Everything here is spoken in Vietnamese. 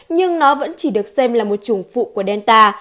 nhưng nó vẫn chỉ được xem là một chủng phụ của delta